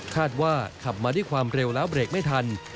คาดว่าขับมาด้วยความเร็วแล้วเบรกไม่ทัน